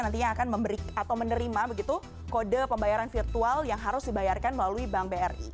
nantinya akan memberi atau menerima begitu kode pembayaran virtual yang harus dibayarkan melalui bank bri